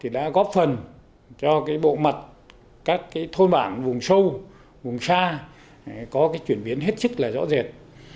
đã góp phần cho bộ mặt các thôn bản vùng sâu vùng xa có chuyển biến hết sức rõ rệt